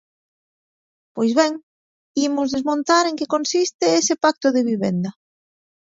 Pois ben, imos desmontar en que consiste ese pacto de vivenda.